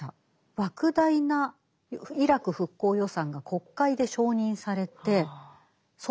莫大なイラク復興予算が国会で承認されてそっちに流れた。